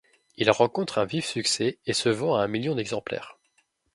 Il rencontre un vif succès et se vend à un million d'exemplaires.